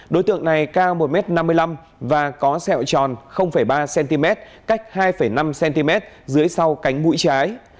đối tượng này cao một m năm mươi năm và có sẹo tròn ba cm cách hai năm cm dưới sau cánh mũi trái